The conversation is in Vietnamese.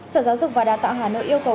sở giáo dục và đào tạo hà nội yêu cầu